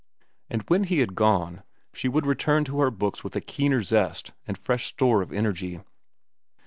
And when he had gone, she would return to her books with a keener zest and fresh store of energy.